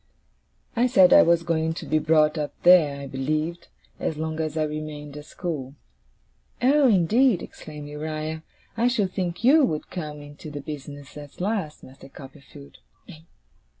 I said I was going to be brought up there, I believed, as long as I remained at school. 'Oh, indeed!' exclaimed Uriah. 'I should think YOU would come into the business at last, Master Copperfield!